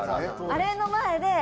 あれの前で。